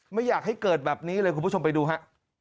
ไม่อยากให้เกิดแบบนี้เลยคุณผู้ชมไปดูฮะ